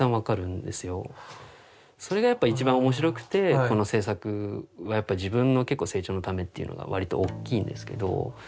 それがやっぱ一番面白くてこの制作は自分の成長のためっていうのがわりと大きいんですけど。